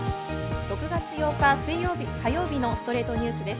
６月８日、火曜日の『ストレイトニュース』です。